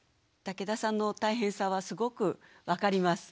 竹田さんの大変さはすごく分かります。